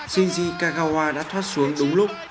shinji kagawa đã thoát xuống đúng lúc